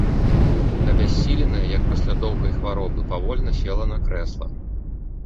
Абяссіленая, як пасля доўгай хваробы, павольна села на крэсла.